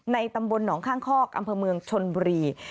ตำบลหนองข้างคอกอำเภอเมืองชนบุรี